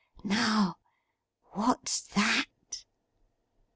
Now. What's that?